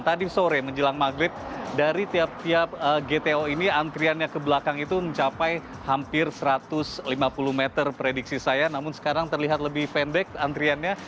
tadi sore menjelang maghrib dari tiap tiap gto ini antriannya ke belakang itu mencapai hampir satu ratus lima puluh meter prediksi saya namun sekarang terlihat lebih pendek antriannya